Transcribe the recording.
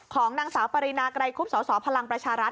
ของนางสาวปรินาไกรคุบสสพลังประชารัฐ